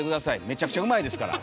めちゃくちゃうまいですから。